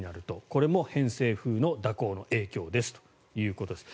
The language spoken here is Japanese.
これも偏西風の蛇行の影響ですということです。